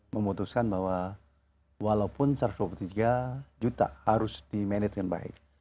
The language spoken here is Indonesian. memutuskan bahwa walaupun satu ratus dua puluh tiga juta harus dimanage dengan baik